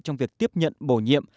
trong việc tiếp nhận bổ nhiệm